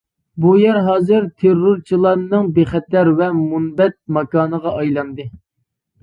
بۇ يەر ھازىر تېررورچىلارنىڭ بىخەتەر ۋە مۇنبەت ماكانىغا ئايلاندى.